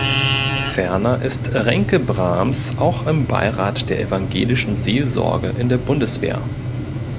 Ferner ist Renke Brahms auch im "Beirat der evangelischen Seelsorge in der Bundeswehr".